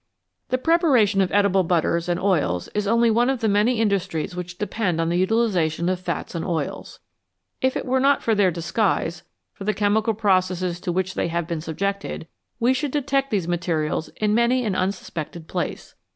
The preparation of edible butters and oils is only one of the many industries which depend on the utilisation of fats and oils. If it were not for their disguise, for the .chemical processes to which they have been subjected, we should detect these materials in many an unsuspected place.